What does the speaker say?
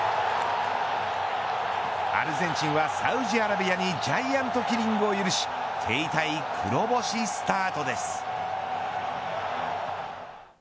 アルゼンチンはサウジアラビアにジャイアントキリングを許し手痛い黒星スタートです。